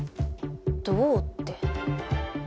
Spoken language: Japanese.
どうって。